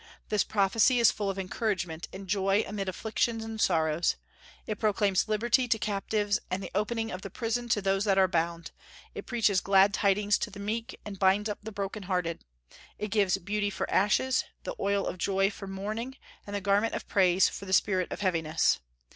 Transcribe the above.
This prophecy is full of encouragement and joy amid afflictions and sorrows. It proclaims liberty to captives, and the opening of the prison to those that are bound; it preaches glad tidings to the meek, and binds up the broken hearted; it gives beauty for ashes, the oil of joy for mourning, and the garment of praise for the spirit of heaviness.